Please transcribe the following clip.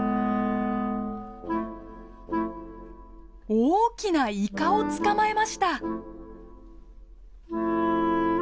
大きなイカを捕まえました！